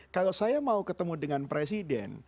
kalau saya mau ketemu dengan presiden